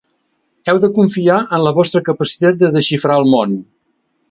Heu de confiar en la vostra capacitat de desxifrar el món.